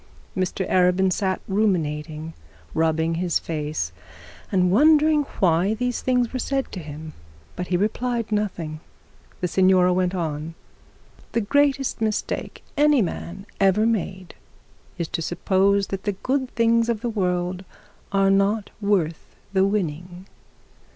Mr Arabin sat ruminating and rubbing his face, and wondering why these things were said to him; but he replied nothing. The signora went on 'The greatest mistake any man ever made is to suppose that the good things of the world are not worth the winning.